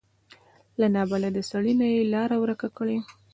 له نابلده سړي نه یې لاره ورکه کړي.